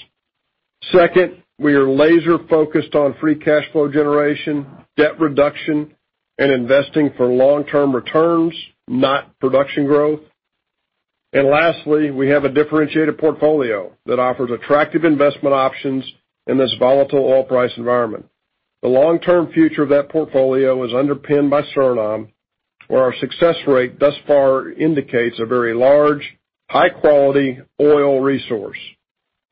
Second, we are laser-focused on free cash flow generation, debt reduction, and investing for long-term returns, not production growth. Lastly, we have a differentiated portfolio that offers attractive investment options in this volatile oil price environment. The long-term future of that portfolio is underpinned by Suriname, where our success rate thus far indicates a very large, high-quality oil resource.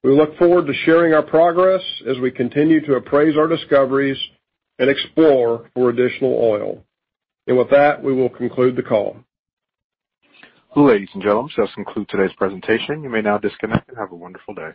We look forward to sharing our progress as we continue to appraise our discoveries and explore for additional oil. With that, we will conclude the call. Ladies and gentlemen, this concludes today's presentation. You may now disconnect and have a wonderful day.